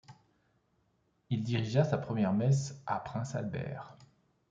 Il dirigea sa première messe à Prince Albert.